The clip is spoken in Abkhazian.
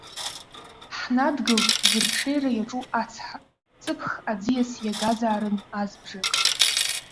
Ҳнадгылт зырҽеира иаҿу ацҳа, ҵыԥх аӡиас иагазаарын азбжак.